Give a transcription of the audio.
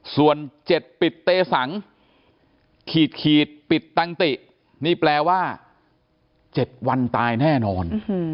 ส่วน๗ปิดเตสังขีดปิดตั้งตินี่แปลว่า๗วันตายแน่นอน